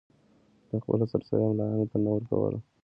ده خپله سرسایه ملایانو ته نه ورکوله.